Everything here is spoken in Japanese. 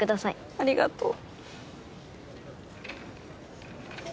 ありがとう。